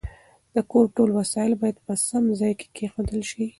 د کور ټول وسایل باید په سم ځای کې کېښودل شي.